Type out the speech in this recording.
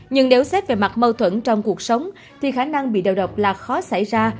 nhưng nếu xét về mặt mâu thuẫn trong cuộc sống thì khả năng bị đầu độc là khó xảy ra